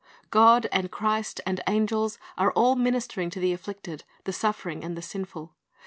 "^ God and Christ and angels are all ministering to the afflicted, the suffering, and the sinful.